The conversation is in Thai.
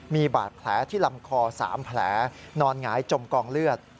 มีบาดแผลที่ลำคอ๓แผลนอนหงายจมกองเลือด